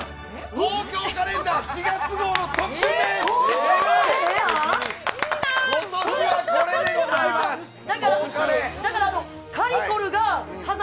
東京カレンダー４月号の特集ペーいいな。